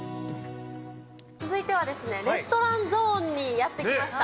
続いては、レストランゾーンにやって来ました。